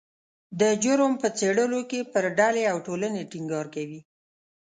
د جرم په څیړلو کې پر ډلې او ټولنې ټینګار کوي